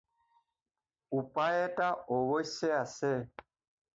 উপায় এটা অৱশ্যে আছে।